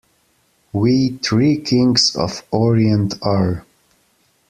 We three Kings of Orient are.